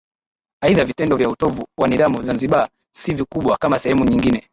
Aidha vitendo vya utovu wa nidhamu Zanzibar si vikubwa kama sehemu nyingine